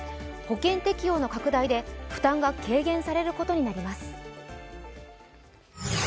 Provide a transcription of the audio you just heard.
保険適用の拡大で負担が軽減されることになります。